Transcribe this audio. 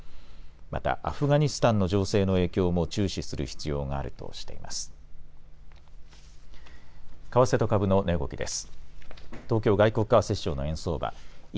また、アフガニスタンの情勢の影響も注視する必要があるとしています。